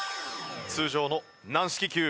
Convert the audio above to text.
通常の軟式球。